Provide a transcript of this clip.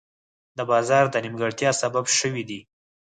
د بازار د نیمګړتیا سبب شوي دي.